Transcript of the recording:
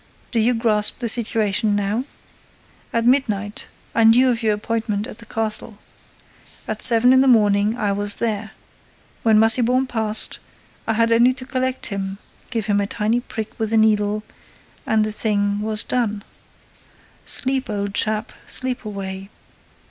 Do you grasp the situation now? At midnight, I knew of your appointment at the castle. At seven in the morning, I was there. When Massiban passed, I had only to collect him—give him a tiny prick with a needle—and the thing—was done. Sleep old chap, sleep away.